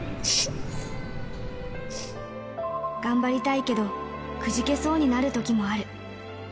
頑張りたいけど、くじけそうになるときもある。